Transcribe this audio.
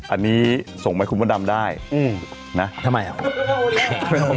อันนี้ส่งไปคุณบดำได้ทำไมอ่ะ